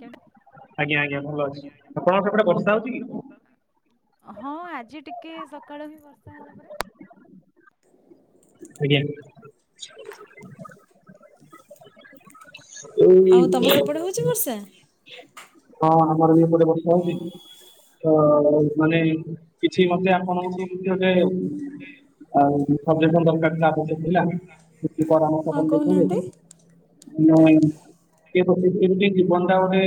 କେମିତି ଆଜ୍ଞା-ଆଜ୍ଞା ଭଲ [unintelligible] ଆପଣଙ୍କ ସେପଟେ ବର୍ଷା ହଉଛି କି? ହଁ ଆଜି ଟିକେ ସକାଳ ଆଜ୍ଞା। ଏଇ ଆଉ ତମ ସେପଟେ ହଉଚି ବର୍ଷା? ହଁ ଆମର ବି ଏପଟେ ବର୍ଷା ହଉଚି ତ, ମାନେ କିଛି ମତେ ଆପଣଙ୍କୁ କିଛି ଗୋଟେ ସଜେସନ୍ ଦରକାର୍ ଥିଲା ଆବଶ୍ୟକ। ହେଲା [unintelligible] ପରାମର୍ଶ ହଁ [unintelligible] ଆଉ। କହୁନାହାନ୍ତି ନାଉଁ କି କେମିତି ଜୀବନ ଟା ଗୋଟେ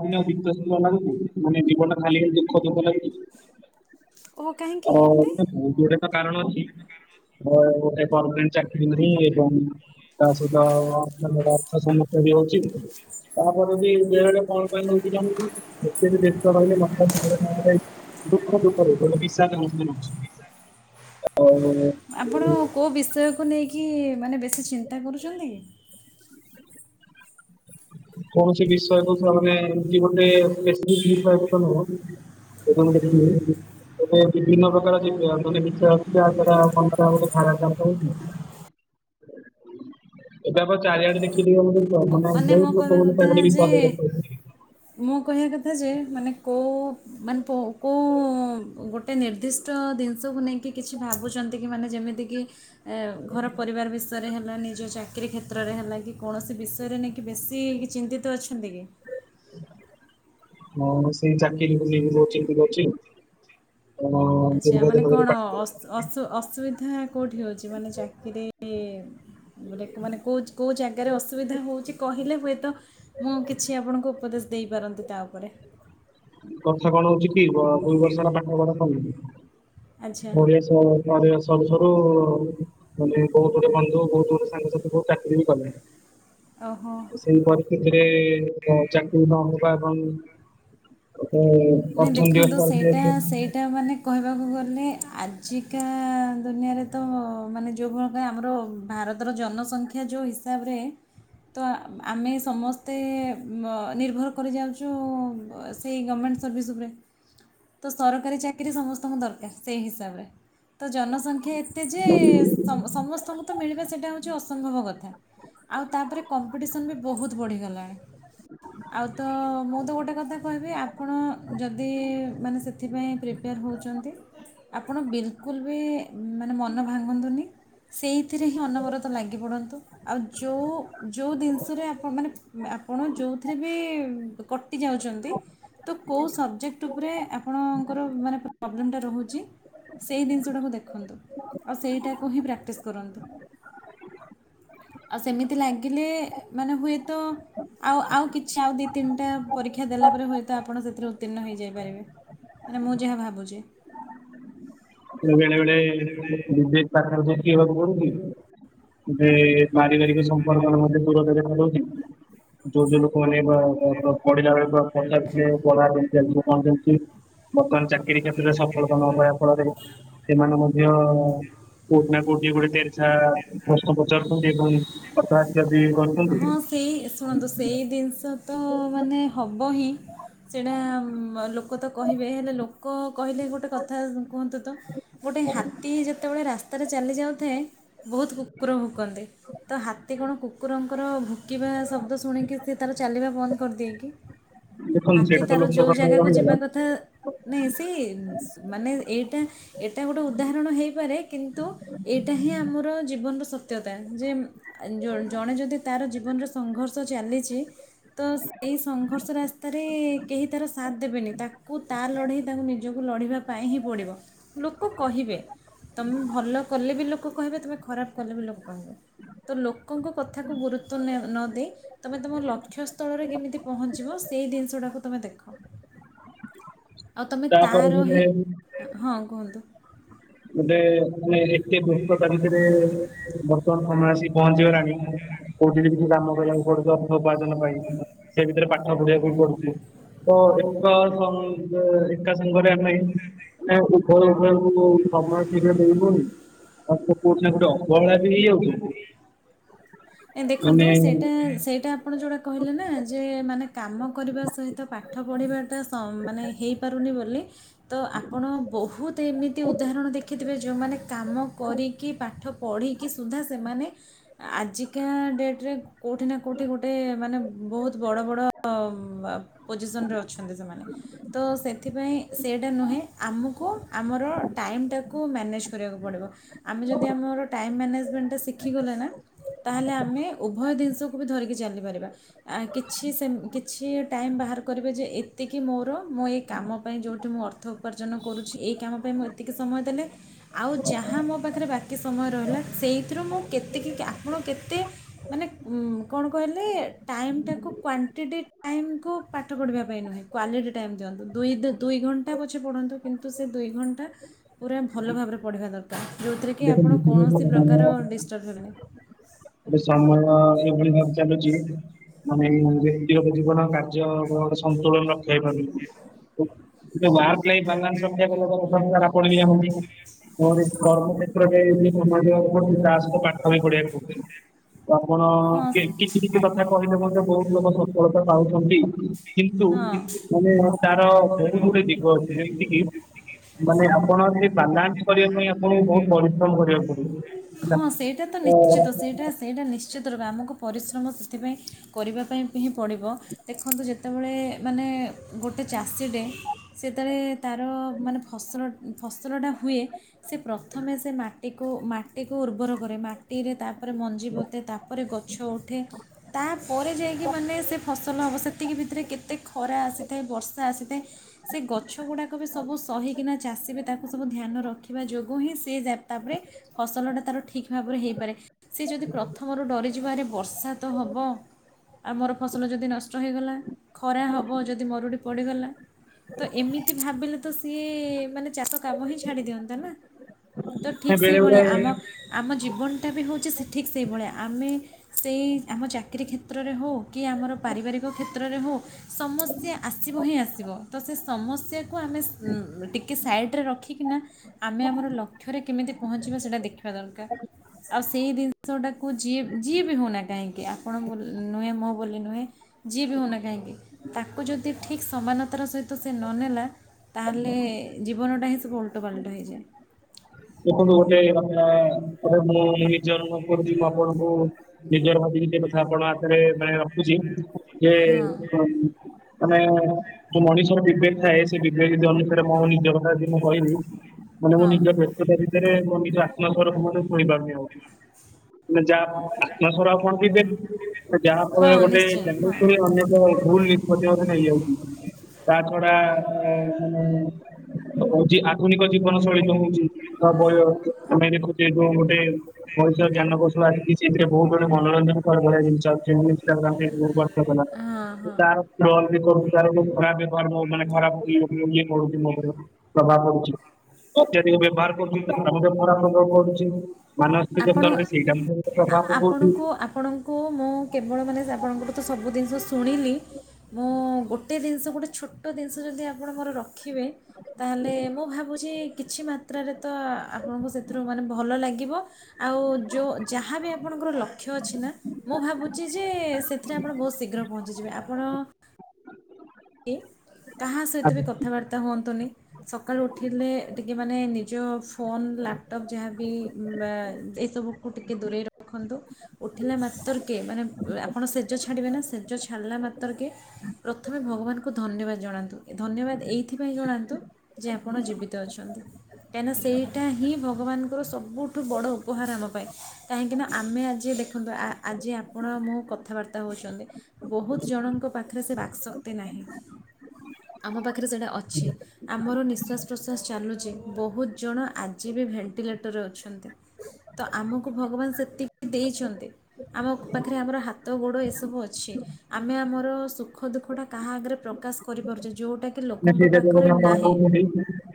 [unintelligible] ମାନେ ଜୀବନ ଟା ଖାଲି ଦୁଃଖ-ଦୁଃଖ ଲାଗୁଚି କି? ଓ କାହିଁକି ଆ ଏମିତି? ଯୋଡେ ତ କାରଣ ଅଛି [unintelligible] ଗମେଣ୍ଟ ଚାକିରୀ ନାହିଁ ଏବଂ ତା ସହିତ ଅର୍ଥ ସମସ୍ୟା ବି ହଉଚି। ତାପରେ ବି ବେଳେ-ବେଳେ କଣ ପାଇଁ ନଉଚି [unintelligible] ଏତେ ବି ବ୍ୟସ୍ତ ରହିଲେ [unintelligible] ଦୁଃଖ -ଦୁଃଖରେ ଗୋଟେ ବିଷାଦ [unintelligible] ଆଉ। ଆପଣ କେଉଁ ବିଷୟକୁ ନେଇକି ମାନେ ବେଶୀ ଚିନ୍ତା କରୁଚନ୍ତି କି? କୌଣସି ବିଷୟ [unintelligible] ମାନେ ଗୋଟେ [unintelligible] ନୁହଁ। [inaudible] ଏବେ ବିଭିନ୍ନ ପ୍ରକାର ବିଚାର ଯେ ଅଛି ଯାହାଦ୍ୱାରା [unintelligible] [inaudible] ଏବେ ଆପଣ ଚାରିଆଡେ ଦେଖିଥିବେ ମାନେ ମୋ ବହୁତ୍ ଲୋକ କହିବା କଥା ଯେ ମାନେ ମୁଁ କହିଆ କଥା ଯେ ମାନେ କୋଉ ମାନେ କୋଉ ଗୋଟେ ନିର୍ଦ୍ଦିଷ୍ଟ ଜିନିଷକୁ ନେଇକି କିଛି ଭାବୁଚନ୍ତି କି ମାନେ ଯେମିତି କି ଘର ପରିବାର ବିଷୟରେ ହେଲା ନିଜ ଚାକିରୀ କ୍ଷେତ୍ରରେ ହେଲା କି କୌଣସି ବି ଷୟରେ ନେଇକି ବେଶୀ ଚିନ୍ତିତ ଅଛନ୍ତି କି? ହଁ ସେଇ ଚାକିରି କୁ ନେଇକି ବହୁତ୍ ଚିନ୍ତିତ ଅଛି ଆଉ। [unintelligible] ଦୀର୍ଘ ଦିନ ଧରି ପା ଆସୁ ଅସୁବିଧା କୋଉଠି ହେଉଚି ମାନେ ଚାକିରି ଗୋଟ ମାନେ କୋଉ-କୋଉ ଜାଗାରେ ଅସୁବିଧା ହେଉଚି କହିଲେ ହୁଏତ ମୁଁ କିଛି ଆପଣଙ୍କୁ ଉପଦେଶ ଦେଇପାରନ୍ତି ତା ଉପରେ। କଥା କଣ ହଉଚି କି ଦୁଇ ବର୍ଷ ହେଲା ପାଠପଢା ଆଚ୍ଛା [unintelligible] [unintelligible] ସରୁ-ସରୁ ମାନେ ବହୁତ୍ ଗୁଡ଼େ ବନ୍ଧୁ ବହୁତ୍ ଗୁଡ଼େ ସାଙ୍ଗସାଥି ବହୁତ୍ ଚାକିରି ବି କଲେ। ଓହୋ। ସେଇ ପରିସ୍ଥିତିରେ କଣ ଚାକିରି ନହବା ଏବଂ ଗୋଟେ ନାଇଁ ଅର୍ଥନୈତିକ ଦେଖନ୍ତୁ ପରିସ୍ଥିତି ସେଇଟା-ସେଇଟା ମାନେ କହିବାକୁ ଗଲେ ଆଜିକା ଦୁନିଆରେ ତ ମାନେ [unintelligible] ଆମର ଭାରତ ତର ଜନସଂଖ୍ୟା ଯୋଉ ହିସାବରେ ତ ଆମେ ସମସ୍ତେ ଅ ନିର୍ଭର କରିଯାଉଚୁ ସେଇ ଗମେଣ୍ଟ ସର୍ଭିସ୍ ଉପରେ, ତ ସରକାରୀ ଚାକିରି ସମସ୍ତଙ୍କୁ ଦରକାର ସେଇ ହିସାବ ରେ। ତ ଜନସଂଖ୍ୟା ଏତେ ଯେ ସମ-ସମ ସମସ୍ତଙ୍କୁ ତ ମିଳିବ ସେଟା ହଉଚୀ ଅସମ୍ଭବ କଥା ଆଉ ତାପରେ କମ୍ପିଟିସନ୍ ବି ବୋହୁତ ବଢ଼ି ଗଲାଣି। ଆଉ ତ ମୁଁ ତ ଗୋଟେ କଥା କହିବି ଆ ଆପଣ ଯଦି ମାନେ ସେଥିପାଇଁ ପ୍ରିପେୟାର୍ ହଉଚନ୍ତି ଆପଣ ବିଲକୁଲ୍ ବି ମାନେ ମନ ଭାଙ୍ଗନ୍ତୁନି। ସେଇଥିରେ ହିଁ ଅନବରତ ଲାଗି ପଡ଼ନ୍ତୁ। ଆଉ ଯୋଉ ଯୋଉ ଦିନିଷରେ ଆପଣ ମାନେ ଆପଣ ଯୋଉଥିରେ ବି କ ଟି ଯାଉଚନ୍ତି ତ କୋଉ ସବ୍ଜେକ୍ଟ୍ ଉପରେ ଆ ପଣଙ୍କର ମାନେ ପବ୍ଲେମ୍ ଟା ରହୁଚି ସେଇ ଦିନିଷଟାକୁ ଦେଖନ୍ତୁ। ଆଉ ସେଇଟାକୁ ହିଁ ପ୍ରାକ୍ଟିସ୍ କରନ୍ତୁ। ଆଉ ସେମିତି ଲାଗିଲେ ମାନେ ହୁଏ ତ ଆଉ ଆଉ କିଛି ଆଉ ଦିଇ ତିନିଟା ପରୀକ୍ଷା ଦେଲା ପରେ ହୁଏ ତ ଆପଣ ସେଥିରେ ଉତ୍ତୀର୍ଣ୍ଣ ହେଇଯାଇପାରିବେ ମାନେ ମୁଁ ଯାହା ଭାବୁଚି। ଏ ବେଳେ ବେଳେ ବିବେକ୍ ପାଖରେ ଦୋଷୀ ହେବାକୁ ପଡ଼ୁଚି। ଯେ ପାରିବାରିକ ସମ୍ପର୍କରେ ମଧ୍ୟ ଦୂରତା ଦେଖାଯାଉଚି। ଯୋଉ ଯୋଉ ଲୋକମାନେ ଏବା ବ ପଢ଼ିଲା ବେଳେ ପ ପଚାରୁଥିଲେ ପଢ଼ା କେମିତି ଚାଲିଚି କଣ କେମିତି ଚାଲଚି ବର୍ତ୍ତମାନ ଚାକିରୀ କ୍ଷେତ୍ରରେ ସଫଳତା ନ ପାଇବା ଫଳରେ ସେମାନେ ମଧ୍ୟ କୋଉଠି ନା କୋଉଠି ଗୋଟେ ତେରଛା ପ୍ରଶ୍ନ ପଚାରୁଚନ୍ତି ଏବଂ କଥା ଯଦି ବ ହଁ ସେଇ ଶୁଣନ୍ତୁ ସେଇ ଦିନିଷ ତ ମାନେ ହବ ହିଁ। ସେଟା ବ ଲୋକ ତ କହିବେ ହେଲେ ଲୋକ କହିଲେ ଗୋଟେ କଥା କୁହନ୍ତୁ ତ ଗୋଟେ ହାତୀ ଯେତବେଳେ ରାସ୍ତାରେ ଚାଲି ଯାଉଥାଏ ବହୁତ କୁକୁର ଭୁକନ୍ତି। ତ ହାତୀ କଣ କୁ କୁରଙ୍କର ଭୋକିବା ଶବ୍ଦ ଶୁଣିକି ସେ ତାର ଚାଲିବା ବନ୍ଦ କରିଦିଏକି? ଦେଖନ୍ତୁ ହାତୀ ସେଇଟା ତ ତାର ଲୋକ ଯୋଉ କଥା ଜାଗାକୁ ରହିଗଲା ଯିବା କଥା ନାଇଁ ସେ ସ୍ ମାନେ ଏଇଟା ଏଟା ଗୋଟେ ଉଦାହରଣ ହେଇପାରେ କିନ୍ତୁ ଏଇଟା ହିଁ ଆମର ଜୀବନର ସତ୍ୟତା ଯେ ଆ ଜ ଜଣେ ଯଦି ତାର ଜୀବନର ସଂଘର୍ଷ ଚାଲିଚି ତ ସେଇ ସଂଘର୍ଷ ରାସ୍ତାରେ କେହି ତାର ସାଥ୍ ଦେବେନି ତାକୁ ତା ଲଢ଼େଇ ତାକୁ ନି ଜକୁ ଲଢ଼ିବା ପାଇଁ ହିଁ ପଡ଼ିବ ଲୋକ କହିବେ। ତମେ ଭଲ କଲେ ବି ଲୋକ କହିବେ, ତମେ ଖରାପ କଲେ ବି ଲୋକ କହିବେ, ତ ଲୋ କଙ୍କ କଥାକୁ ଗୁରୁତ୍ୱ ନେ ନ ଦେଇ ତମେ ତମ ଲକ୍ଷ୍ୟ ସ୍ଥଳରେ କେମିତି ପହଞ୍ଚିବ ସେଇ ଦିନିଷଟାକୁ ତମେ ଦେଖ। ଆଉ ତମେ ତାର ହିଁ, ତାପରେ ହଁ କୁହନ୍ତୁ? ଗୋଟେ ମାନେ ଏତେ ବ୍ୟସ୍ତତା ଭିତରେ ବର୍ତ୍ତମାନ ସମୟ ଆସିକି ପହଞ୍ଚିଗଲାଣି କୋଉଠି ବି କିଛି କାମ କରିବାକୁ ପଡ଼ୁଥୁବ ଅର୍ଥ ଉପାର୍ଜନ ପାଇଁ ସେ ଭିତରେ ପାଠ ପଢ଼ିବାକୁ ପଡ଼ୁଚି। ତ ଏକ ସଙ୍ଗେ ଏକା ସାଙ୍ଗରେ ଆମେ ଏଇଠି ନାଁ ଉଭୟ ଉଭୟକୁ ସମୟ ଠିକରେ ଦେଇହୋଉନି ଆଉ କୋଉଠି ନା କୋଉଠି ଅବହେଳା ବି ହେଇଯାଉଚି। ଏଁ ଦେଖନ୍ତୁ ସେଟା ସେଇଟା ଆପଣ ଯୋଉଟା କହିଲେ ନାଁ ଯେ ମାନେ କାମ କରିବା ସହିତ ପାଠ ପଢ଼ିବାଟା ସ ମାନେ ହେଇ ପାରୁନି ବୋଲି ତ ଆପଣ ବହୁତ ଏମିତି ଉଦାହରଣ ଦେଖିଥିବେ ଯୋଉମାନେ କାମ କରିକି ପାଠ ପଢ଼ିକି ସୁଦ୍ଧା ସେମାନେ ଆଜି କା ଡ଼େଟ୍ ରେ କୋଉଠି ନା କୋଉଠି ଗୋଟେ ମାନେ ବହୁତ ବଡ଼ ବଡ଼ ଆ ପୋଜିସନ୍‌ରେ ଅଛନ୍ତି ସେମାନେ। ତ ସେଥିପାଇଁ ସେଇଟା ନୁହେଁ ଆମୁକୁ ଆମର ଟାଇମ୍‌ ଟାକୁ ମ୍ୟାନେଜ୍ କରିବାକୁ ପଡ଼ିବ। ଆମେ ଯଦି ଆମର ଟାଇମ୍ ମ୍ୟାନେଜ୍‌ମେଣ୍ଟଟା ଶିଖିଗଲେ ନା ତାହେଲେ ଆମେ ଉଭୟ ଜିନିଷକୁ ବି ଧରିକି ଚାଲିପାରିବା। ଆ କିଛି ସେମ୍ କିଛି ଟାଇମ୍ ବାହାର କରିବେ ଯେ ଏତିକି ମୋର ମୋ ଏ କାମ ପାଇଁ ଯୋଉଠି ମୁଁ ଅର୍ଥ ଅର୍ଥ ଉପାର୍ଜନ କରୁଛି। ଏହି କାମ ପାଇଁ ମୁଁ ଏତିକି ସମୟ ଦେଲେ ଆଉ ଯାହା ମୋ ପାଖେରେ ବାକି ସମୟ ରହିଲା ସେଇଥିରୁ ମୁଁ କେତିକି କି ଆପଣ କେତେ? ମାନେ ଉଁ କଣ କହିଲେ ଟାଇମ୍‌ ଟାକୁ କ୍ଵାଣ୍ଟିଟି ଟାଇମ୍ କୁ ପାଠ ପଢ଼ିବା ପାଇଁ ନୁହେଁ। କ୍ୱାଲିଟି ଟାଇମ୍ ଦିଅନ୍ତୁ। ଦୁଇ ଦେ ଦୁଇ ଘଣ୍ଟା ପଛେ ପଢ଼ନ୍ତୁ କିନ୍ତୁ ସେ ଦୁଇ ଘଣ୍ଟା ପୁରା ଭଲ ଭାବରେ ପଢ଼ିବା ଦରକାର ଯୋଉଥିରେ କି ଗୋଟେ ଆପଣ କୌଣସି ପ୍ରକାର ଡିଷ୍ଟର୍ବ ହେବେ ନାଇଁ। ମୋ ସମୟ ଏଭଳି ଭାବ ଚାଲୁଚି ମାନେ ମାନେ ଯେ ବ୍ୟକ୍ତିଗତ ଜୀବନ କାର୍ଯ୍ୟ [unintelligible] ସନ୍ତୁଳନ ରକ୍ଷା ହେଇପାରୁନି। [unintelligible] [unintelligible] ସମୟ ଦବାକୁ ପଡ଼ୁଚି ତା ସହିତ ପାଠ ବି ପଢିବାକୁ ପଡ଼ୁଚି ତ ଆପଣ ହଁ କି ସେ- କିଛି ଦିନ୍ ଯୋଉଁ କଥା କହିଲେ ମଧ୍ୟ ବହୁତ ଲୋକ ସଫଳତା ପାଉଛନ୍ତି କିନ୍ତୁ ହଁ ମାନେ ମୋହୋ ତାର ବହୁତ୍ ଗୋଟେ ପିକ୍ ଗ ଉଛି ଯେମିତିି ମାନେ ଆପଣ ଯେ ବାଲାନସ୍‌ କରିବା ପାଇଁ ଆପଣଙ୍କୁ ବହୁତ୍ ପରିଶ୍ରମ କରିବାକୁ ପଡ଼ିବ ହେଲା ଓ ଏଇଟା ସେଇଟା ନିଶ୍ ଶ୍ଚିତ ରୂପେ ଆମକୁ ପରିଶ୍ରମ ସେଥିପାଇଁ କରିବା ପାଇଁ ହିଁ ପଡ଼ିବ। ଦେଖନ୍ତୁ ଯେତବେଳେ ମାନେ ଗୋଟେ ଚାଷୀଟେ ସେତବେଳେ ତାର ମାନେ ଫସଲ ଫସଲଟା ହୁଏ ସେ ପ୍ରଥମେ ସେ ମାଟିକୁ ମାଟିକୁୁ ଉର୍ବର କରେ ମା ଟିରେ ତାପରେ ମଞ୍ଜି ବୋତେ ତାପରେ ଗଛ ଉଠେ। ତାପରେ ଯାଇକି ମାନେ ସେ ଫସଲ ହବ ସେତିକି ଭିତରେ କେତ୍ ଏତେ ଖରା ଆସିଥାଏ। ବର୍ଷା ଆସିଥାଏ। ସେ ଗଛ ଗୁଡ଼ାକ ବି ସବୁ ସହିକିନା ଚାଷୀ ବି ତାକୁ ସବୁ ଧ୍ୟାନ ରଖିବା ଯୋଗୁଁ ହିଁ ସେ ଯା ତାପରେ ଫସଲ ଟା ତାର ଠିକ୍‌ ଭାବରେ ହେଇପାରେ। ସେ ଯଦି ପ୍ରଥମରୁ ଡ଼ରିଯିବ ଆରେ ବର୍ଷା ତ ହବ ଆମର ଫସଲ ଯଦି ନଷ୍ଟ ହୋଇଗଲା। ଖରା ହବ ଯଦି ମରୁଡ଼ି ପଡ଼ିଗଲା। ତ ଏମିତି ଭାବିଲେ ତ ସିଏ ମାନେ ଚାଷ କାମ ହିଁ ଛାଡ଼ି ଦିଅନ୍ତା ନା? ତ ଠିକ୍ ବେଳେ ସେଇଭଳିଆ ଆମ ବେଳେ ଆମ ଜୀବନଟା ବି ହଉଚି ସେ ଠିକ୍ ସେଇଭଳିଆ ଆମେ ସେଇ ଆମ ଚାକିରୀ କ୍ଷେତ୍ରରେ ହଉ କି ଆମର ପାରିବାରିକ କ୍ଷେତ୍ରରେ ହଉ ସମସ୍ୟା ଆସିବ ହିଁ ଆସିବ। ତ ସେ ସମସ୍ୟାକୁ ଆମେ ଟିକେ ସାଇଟ୍ ରେ ରଖିକିନା ଆମେ ଆମର ଲକ୍ଷ୍ୟରେ କେମିତି ପହଞ୍ଚିବା ସେଇଟା ଦେଖିବା ଦରକାର। ଆଉ ସେଇ ଜିନିଷଟାକୁ ଯିଏ ଯିଏ ବି ହଉନା କାହିଁକି ଆପଣ ନୁହେଁ ମୁଁ ବୋଲି ନୁହେଁ ଯିଏ ବି ହଉନା କାହିଁକି ତାକୁ ଯଦି ଠିକ୍‌ ସମାନତାର ସହିତ ତ ସେ ନ ନେଲା ତାହେଲେ ଜୀବନଟା ହିଁ ସବୁ ଓଲଟ ପାଲଟ ହେଇଯାଏ। ଦେଖନ୍ତୁ ଗୋଟେ କଥା ବୋଧେ ମୁଁ ନିଜେ ଅନୁଭବ କରୁଚି ମୁଁ ଆପଣଙ୍କୁ ନିଜର ଭାବି ନିଜ କଥା ଆପଣ ଆଖରେ ମାନେ ରଖୁଛି ଯେ ହଁ [unintelligible] ମାନେ ଯୋଉ ମଣିଷର ବିବେକ ଥାଏ ସେ ବିବେକ ଯଦି ଅନୁସାରେ ମୋ ନିଜ କଥା ଯଦି ମୁଁ କହିବି ମାନେ ମୁଁ ହଁ ନିଜ ବ୍ୟସ୍ତତା ଭିତରେ ମୋ ନିଜ ଆତ୍ମା ସ୍ୱରକୁ ମଧ୍ୟ ଶୁଣିପାରୁନି ଆଉ। ମୁଁ ଯାହା ଆତ୍ମା ସ୍ଵର ଆଉ କଣ କିଛି ଦେବି ଯାହା ଫଳରେ ହଁ ଗୋଟେ ନିଶ୍ଚୟ [unintelligible] ହଁ ଶୁଣି ଅନେକ ଭୁଲ୍‌ ନିଷ୍କତି ମଧ୍ୟ ହେଇଯାଉଚି। ତା ଛଡା ହଉଚି ଆଧୁନିକ ଜୀବନ ଶୈଳୀ ଯୋଉ ହଉଚି ବା ବୟ ଆମେ ଦେଖୁଚେ ଯୋଉ ଗୋଟେ ମଣିଷ ଜ୍ଞାନକୌଶଳ ଆଜି ବି ସେଥିରେ ବହୁତ ବଡ଼ ମନୋରଞ୍ଜନ ଭଳିଆ ବଢିଆ ଜିନଷ ଆଣୁଚି ମୁଁ ଇନଷ୍ଟାଗ୍ରାମ୍, ଫେସବୁକ କଣ? ହଁ ହଁ ସତ ନା ତାର? [inaudible] ପ୍ରଭାବ ପଡୁଚି, ଅତଧିକ ବ୍ୟବହାର କରୁଚି ତାହାର ମଧ୍ୟ ଖରାପ୍ ପ୍ରଭାବ ପଡୁଚି। ମାନସିକ ସ୍ତରରେ ସେଇଟା [unintelligible] ପ୍ରଭାବ ପକୋଉଚି। ଆପଣ କୁ ମୁଁ କେବଳ ମାନେ ଆପଣଙ୍କଠୁ ତ ସବୁ ଦିନିଷ ଶୁଣିଲି। ମୁଁ ଗୋଟେ ଦିନିଷ ଗୋଟେ ଛୋଟ ଦିନିଷ ଯଦି ଆପଣ ମୋର ରଖିବେ ତାହେଲେ ମୁଁ ଭାବୁଛି କିଛି ମାତ୍ରାରେ ତ ଆପଣଙ୍କୁ ସେଥିରୁ ମାନେ ଭଲ ଲାଗିବ। ଆଉ ଯୋଉ ଯାହାବି ଆପଣଙ୍କର ଲକ୍ଷ୍ୟ ଅଛି ନା ମୁଁ ଭାବୁଚି ଯେ ସେଥିରେ ଆପଣ ବହୁତ୍ ଶୀଘ୍ର ପହଞ୍ଚିଯିବେ ଆପଣ କାହା ସହିତ ବି ଆମେ କଥାବାର୍ତ୍ତା ହୁଅନ୍ତୁନି। ସକାଳୁ ଉଠିଲେ ଟିକେ ମାନେ ନିଜ ଫୋନ୍ ଲାପଟପ୍ ଯାହାବି ବା ଏଇସବୁ କୁ ଟିକେ ଦୂରେଇ ରଖନ୍ତୁ। ଉଠିଲା ମାତରକେ ମାନେ ଆପଣ ସେଜ ଛାଡ଼ିବେ ନା, ସେଜ ଛାଡିଲା ମତରକେ ପ୍ରଥ ମେ ଭଗବାନଙ୍କୁ ଧନ୍ୟବାଦ ଜଣାନ୍ତୁ, ଏ ଧନ୍ୟବାଦ୍ ଏଇଥିପାଇଁ ଜଣାନ୍ତୁ ଯେ ଆପଣ ଜୀବିତ ଅଛନ୍ତି। କାଇଁନା ସେଇଟା ହିଁ ଭଗବାନଙ୍କର ସବୁଠୁ ବଡ଼ ଉପହାର ଆମ ପାଇଁ। କାହିଁକିନା ଆମେ ଆଜି ଦେଖନ୍ତୁ ଆଜି ଆପଣ ଆଉ ମୁଁ କଥାବାର୍ତ୍ତା ହେଉଚନ୍ତି ବହୁତ୍ ଜଣଙ୍କ ପାଖେରେ ସେ ବାକ୍ ଶକ୍ତି ନାହିଁ, ଆମ ପାଖେରେ ସେଟା ଅଛି। ଆମର ନିଶ୍ୱାସ୍ ପ୍ରଶ୍ୱାସ୍ ଚାଲୁଚି, ବହୁତ୍ ଜଣ ଆଜି ବି ଭେଣ୍ଟିଲେଟରରେ ଅଛନ୍ତି। ତ ଆମକୁ ଭଗବାନ୍ ସେତିକି ଦେଇଛନ୍ତି। ଆମ ପାଖରେ ଆମର ହାତ ଗୋଡ଼ ଏସବୁ ଅଛି, ଆମେ ଆମର ସୁଖ ଦୁଃଖଟା କାହା ଆଗେରେ ପ୍ରକାଶ କରିପାରୁଚେ, ଯୋଉଟାକି ନାଇଁ ସେଇଟା ଯୋଉ କଥା ଆପଣ କହୁଚନ୍ତି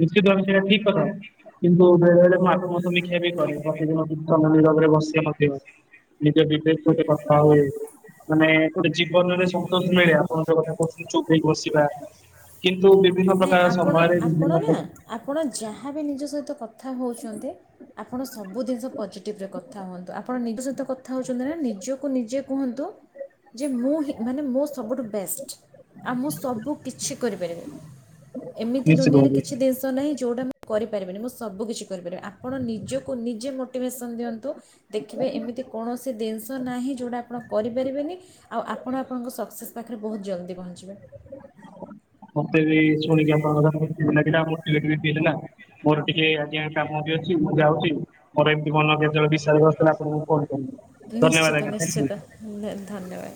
ନିଶ୍ଚିତ ଭାବେ ସେଇଟା ଠିକ୍ କଥା କିନ୍ତୁ ବେଳେ-ବଳେ ମୁଁ ଆପଣଙ୍କ ସମୀକ୍ଷା ବି କରେ ପ୍ରତିଦିନ [unintelligible] ନିରବରେ ବସେ ମଧ୍ୟ, ନିଜ ବିବେକ୍ ସହିତ କଥା ହୁଏ ମାନେ ଗୋଟେ ଜୀ ବନରେ ସନ୍ତୋଷ ମିଳେ ଆପଣ ଯୋଉ କଥା କହୁଛନ୍ତି ଚୁପ୍ ହେଇ ବସିବା, କିନ୍ତୁ ବିଭିନ୍ନ ନାଇଁ ପ୍ରକାର ସମୟରେ ବିଭିନ୍ନ ଆପଣ-ଆପଣ ନା ପ୍ର- ଆପଣ ଯାହାବି ନିଜ ସହିତ କଥା ହେଉଚନ୍ତି ଆପଣ ସବୁ ଦିନିଷ ପଜିଟିଭ୍ ରେ କଥା ହୁଅନ୍ତୁ, ଆପଣ ନିଜ ସହିତ କଥା ହେଉଚନ୍ତି ନା ନିଜକୁ ନିଜେ କୁହନ୍ତୁ ଯେ ମୁଁ ହିଁ ମାନେ ମୋ ସବୁଠୁ ବେଷ୍ଟ, ଆଉ ମୁଁ ସବୁକିଛି କରିପାରିବି। ଏମିତି ନିଶ୍ଚିତ ଦୁନିଆରେ ଭାବେ କିଛି ଦିନିଷ ନାହିଁ ଯେଉଁଟା ମୁଁ କରିପାରିବିନି, ମୁଁ ସବୁକିଛି କରିପାରିବି ଆପଣ ନିଜକୁ ନିଜେ ମୋଟିଭେସନ୍ ଦିଅନ୍ତୁ। ଦେଖିବେ ଏମିତି କୌଣସି ଦିନିଷ ନାହିଁ, ଯୋଉଟା ଆପଣ କରିପାରିବେନି ଆଉ ଆପଣ ଆପଣଙ୍କ ସକ୍ସେସ୍ ପାଖେରେ ବହୁତ୍ ଜଲ୍ଦି ପହଞ୍ଚିବେ। ମତେ ବି ଶୁଣିକି ଆପଣଙ୍କ କଥା [unintelligible] ଲାଗିଲା, ଆଉ ମୋଟିଭେଟ୍ ବି ଫିଲ୍ ହେଲା। ମୋର ଟିକେ ଆଜ୍ଞା କାମ ବି ଅଛି, ମୁଁ ଯାଉଚି ମୋର ଏମ୍ତି ମନ ଯେତଳେ [unintelligible] ହେଲେ ଆପଣଙ୍କୁ ଫୋନ୍ କରିବି। ଧନ୍ୟବାଦ ଆଜ୍ଞା ଥ୍ୟାଙ୍କ୍ ୟୁ ନିଶ୍ଚିତ-ନିଶ୍ଚିତ, ଧନ୍ୟବାଦ୍।